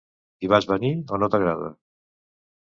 Hi vas venir o no t'agrada?